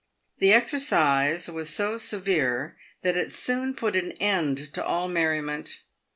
The exercise was so severe, that it soon put an end to all merriment.